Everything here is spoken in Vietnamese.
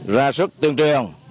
ra sức tuyên truyền